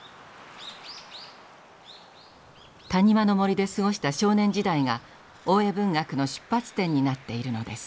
谷間の森で過ごした少年時代が大江文学の出発点になっているのです。